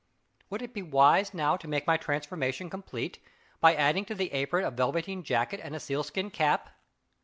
Would it be wise now to make my transformation complete, by adding to the apron a velveteen jacket and a sealskin cap?